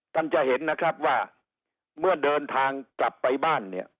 ท่านจะเห็นนะครับว่าเมื่อเดินทางกลับไปบ้านเนี่ย